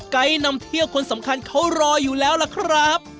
นำเที่ยวคนสำคัญเขารออยู่แล้วล่ะครับ